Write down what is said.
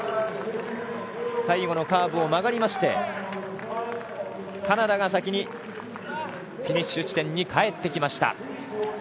最後のカーブを曲がりましてカナダが先にフィニッシュ地点に帰ってきました。